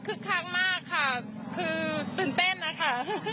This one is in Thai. คักมากค่ะคือตื่นเต้นนะคะ